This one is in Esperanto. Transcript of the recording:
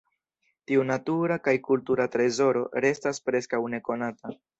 Tiu natura kaj kultura trezoro restas preskaŭ nekonata.